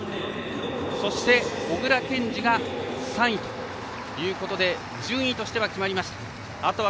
そして小椋健司が３位ということで順位としては決まりました。